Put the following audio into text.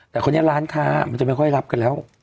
แต่คนนี้ร้านค้ามันจะไม่ค่อยรับกันแล้ว